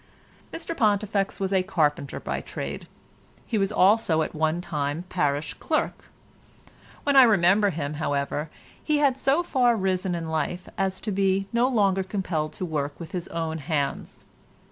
Mr Pontifex was a carpenter by trade; he was also at one time parish clerk; when I remember him, however, he had so far risen in life as to be no longer compelled to work with his own hands.